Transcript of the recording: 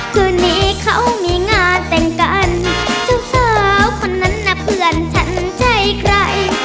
คืนนี้เขามีงานแต่งกันเจ้าสาวคนนั้นนะเพื่อนฉันใช่ใคร